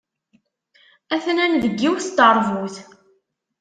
Atnan deg yiwet n teṛbut.